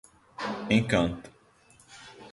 Encanto